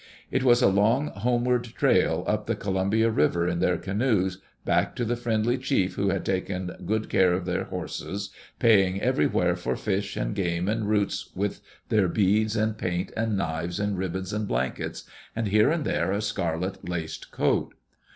It was a long homeward trail, up the Columbia River in their canoes, back to the friendly chief who had taken good care of their horses, paying everywhere for fish and game and roots with their beads and paint and knives and ribbons and blankets, and here and there a scarlet laced coat.